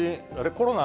コロナ？